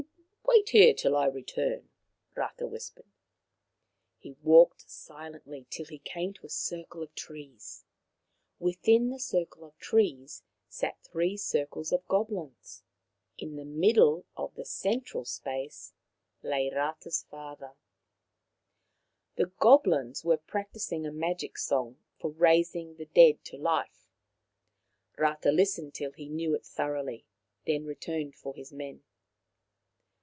Wait here till I return," Rata whispered. He walked silently till he came to a circle of trees. Within the circle of trees sat three circles of goblins ; in the middle of the central space lay Rata's father. 166 Maoriland Fairy Tales The goblins were practising a magic song for raising the dead to life. Rata listened till he knew it thoroughly, then returned for his men.